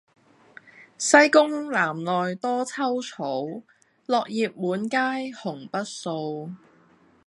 西宮南內多秋草，落葉滿階紅不掃。